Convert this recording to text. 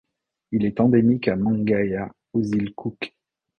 Il est endémique à Mangaia aux îles Cook.